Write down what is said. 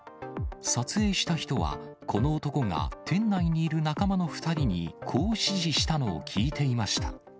撮影した人は、この男が店内にいる仲間の２人に、こう指示したのを聞いていました。